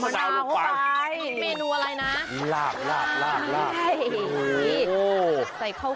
ใส่ข้าวคลั่ว